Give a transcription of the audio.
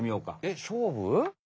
えっ勝負！？